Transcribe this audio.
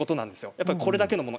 やっぱりこれだけのもの